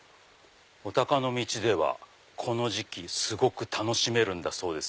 お鷹の道ではこの時期すごく楽しめるんだそうです。